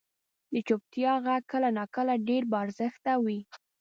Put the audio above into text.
• د چپتیا ږغ کله ناکله ډېر با ارزښته وي.